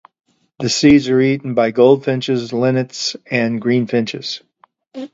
The seeds are eaten by goldfinches, linnets and greenfinches.